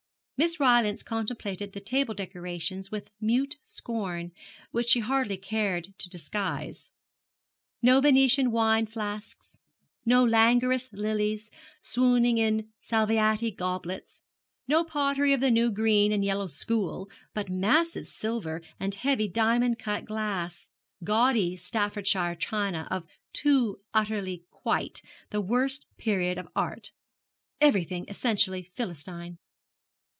Miss Rylance contemplated the table decorations with mute scorn, which she hardly cared to disguise. No Venetian wine flasks, no languorous lilies swooning in Salviati goblets, no pottery of the new green and yellow school, but massive silver, and heavy diamond cut glass gaudy Staffordshire china of 'too utterly quite' the worst period of art. Everything essentially Philistine.